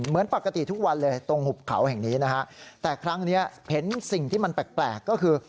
เหมือนปกติทุกวันเลยตรงหุบเขาแห่งนี้นะฮะแต่ครั้งนี้เห็นสิ่งที่มันแปลกก็คือ